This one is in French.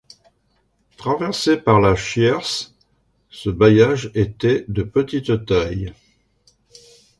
Traversé par la Chiers, ce bailliage était de petite taille.